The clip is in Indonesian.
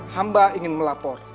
hamba ingin melapor